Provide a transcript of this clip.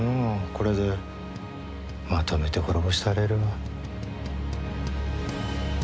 これでまとめて滅ぼしたれるわ。